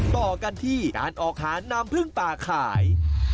ต่อกันที่การออกหาน้ำพึ่งป่าขาย